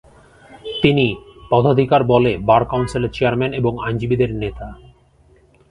তিনি পদাধিকারবলে বার কাউন্সিলের চেয়ারম্যান এবং আইনজীবীদের নেতা।